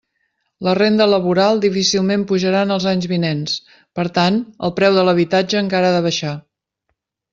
La renda laboral difícilment pujarà en els anys vinents; per tant, el preu de l'habitatge encara ha de baixar.